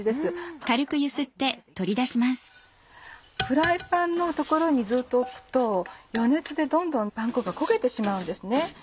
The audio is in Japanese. フライパンのところにずっと置くと余熱でどんどんパン粉が焦げてしまうんですね。